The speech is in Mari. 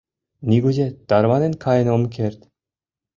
Нигузе тарванен каен ом керт.